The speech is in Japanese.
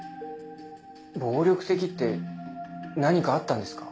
暴力的って何かあったんですか？